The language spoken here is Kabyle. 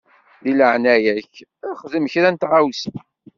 Di leɛnaya-k xdem kra n tɣawsa.